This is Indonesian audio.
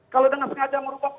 kalau dengan sengaja berupa